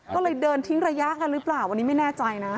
ก็เลยเดินทิ้งระยะกันหรือเปล่าอันนี้ไม่แน่ใจนะ